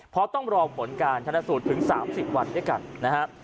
เพราะต้องรอผลการชนสูตรถึง๓๐วันด้วยกันนะฮะ